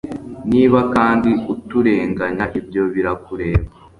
niba kandi uturenganya, ibyo birakureba